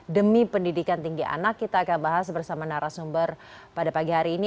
demi pendidikan tinggi anak kita akan bahas bersama narasumber pada pagi hari ini